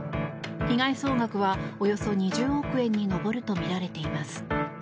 被害総額は、およそ２０億円に上るとみられています。